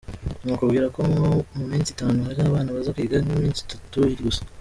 Nakubwira ko nko mu minsi itanu hari abana baza kwiga nk’iminsi itatu gusa.